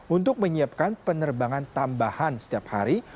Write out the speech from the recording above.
untuk menyiapkan penerbangan tambahan setiap hari